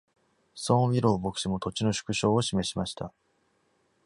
ソーン・ウィロー牧師も土地の縮小を示しました。